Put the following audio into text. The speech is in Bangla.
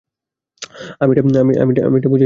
আমি এটা বুঝাইনি।